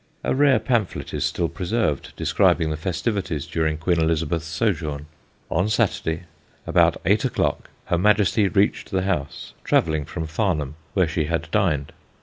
A rare pamphlet is still preserved describing the festivities during Queen Elizabeth's sojourn. On Saturday, about eight o'clock, her Majesty reached the house, travelling from Farnham, where she had dined.